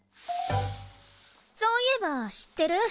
そういえば知ってる？